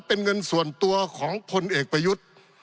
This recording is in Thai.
เป็นเงินส่วนตัวของพลเอกประยุทธ์